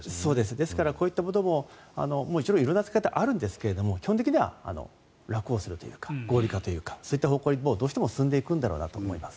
ですからこういったものももちろん色々な使い方はあるんですが基本的には楽をするというか合理化というかそういった方向にどうしても進んでいくんだろうと思います。